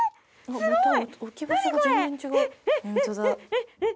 すごい！